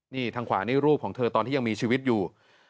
นี่ทางขวานี่รูปของเธอตอนที่ยังมีชีวิตอยู่